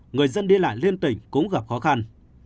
người dân đi lại liên tỉnh cũng gặp khó khăn